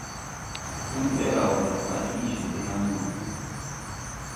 Hun ɓɛ raw do, a ii jobo yaŋ wur p.